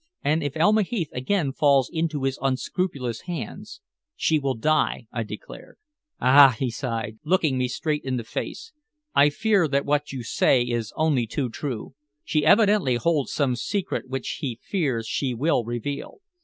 "And if Elma Heath again falls into his unscrupulous hands, she will die," I declared. "Ah!" he sighed, looking me straight in the face, "I fear that what you say is only too true. She evidently holds some secret which he fears she will reveal.